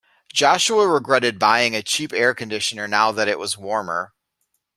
Joshua regretted buying a cheap air conditioner now that it was warmer.